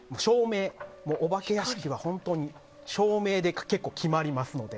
お化け屋敷は本当に照明で結構決まりますので。